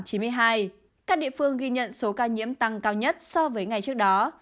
các địa phương ghi nhận số ca nhiễm tăng cao nhất so với ngày trước đó